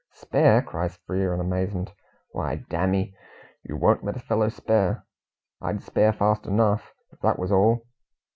"Spare!" cries Frere, in amazement. "Why, damme, you won't let a fellow spare! I'd spare fast enough, if that was all."